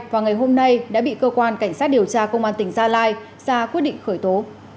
và ngày hôm nay đã bị cơ quan cảnh sát điều tra công an tỉnh gia lai ra quyết định khởi tố